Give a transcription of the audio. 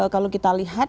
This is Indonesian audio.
kalau kita lihat